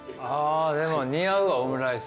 でも似合うわオムライス秋山。